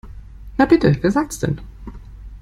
Na bitte, wer sagt's denn?